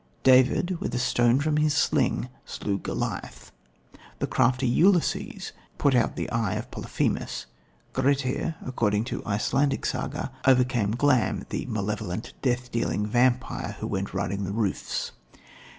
David, with a stone from his sling, slew Goliath. The crafty Ulysses put out the eye of Polyphemus. Grettir, according to the Icelandic saga, overcame Glam, the malevolent, death dealing vampire who "went riding the roofs."